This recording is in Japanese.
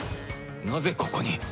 なぜここに！？